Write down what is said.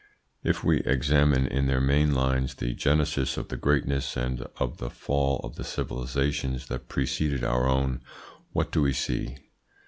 If we examine in their main lines the genesis of the greatness and of the fall of the civilisations that preceded our own, what do we see?